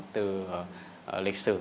từ lịch sử